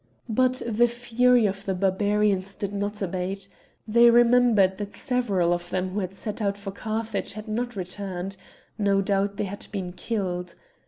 But the fury of the Barbarians did not abate. They remembered that several of them who had set out for Carthage had not returned; no doubt they had been killed.